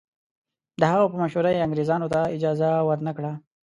د هغه په مشوره یې انګریزانو ته اجازه ورنه کړه.